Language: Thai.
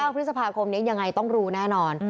๙พฤศพาคมนี้อย่างไรต้องรู้แน่นอน